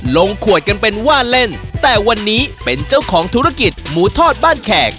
ลงขวดกันเป็นว่าเล่นแต่วันนี้เป็นเจ้าของธุรกิจหมูทอดบ้านแขก